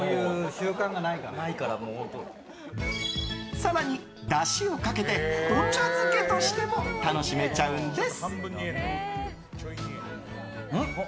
更に、だしをかけてお茶漬けとしても楽しめちゃうんです。